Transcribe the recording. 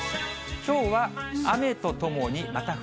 きょうは雨とともにまた冬。